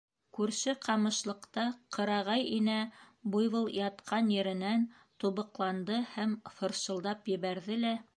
Күрше ҡамышлыҡта ҡырағай инә буйвол ятҡан еренән тубыҡланды һәм фыршылдап ебәрҙе лә: